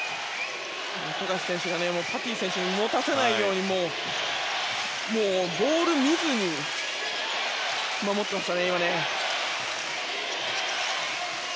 富樫選手がパティ選手に持たせないようにボールを見ずに守ってました。